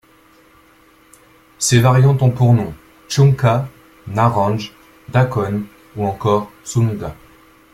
Ces variantes ont pour nom tchonka, naranj, dakon ou encore sungka.